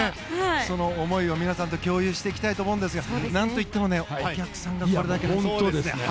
その思いを皆さんと共有していきたいと思うんですがなんといってもお客さんがこれだけ。